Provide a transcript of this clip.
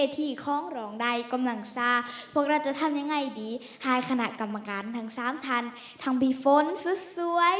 อ๋อพี่กำจักพิกันว่านานูมีกะทาไหมด้วย